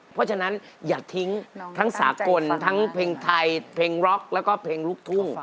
เพราะฉะนั้นอย่าทิ้งทั้งสากลทั้งเพลงไทยเพลงร็อกแล้วก็เพลงลูกทุ่ง